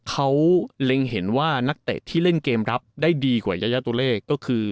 เขาเล็งเห็นว่านักเตะที่เล่นเกมรับได้ดีกว่ายายาตัวเลขก็คือ